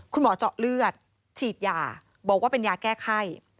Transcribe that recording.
คุณหมอเจาะเลือดฉีดยาบอกว่าเป็นยาแก้ไข้